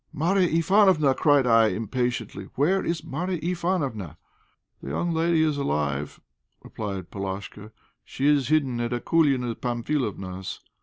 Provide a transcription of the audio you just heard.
"Marya Ivánofna," cried I, impatiently, "where is Marya Ivánofna?" "The young lady is alive," replied Polashka; "she is hidden at Akoulina Pamphilovna's."